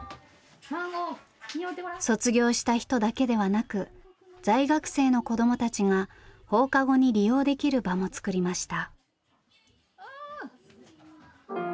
卒業した人だけではなく在学生の子どもたちが放課後に利用できる場もつくりました。